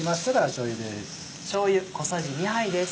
しょうゆ小さじ２杯です。